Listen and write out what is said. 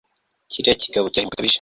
kiriya kigabo kirahemuka bikabije